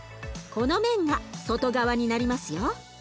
この面が外側になりますよ。